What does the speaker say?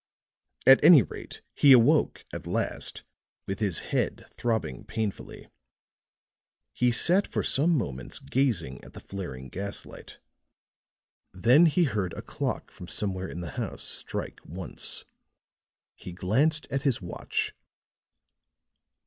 At any rate he awoke at last with his head throbbing painfully. He sat for some moments gazing at the flaring gaslight; then he heard a clock from somewhere in the house strike once. He glanced at his watch.